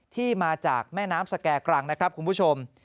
ที่มาจากแม่น้ำสแก่กรังนะครับคุณผู้ชม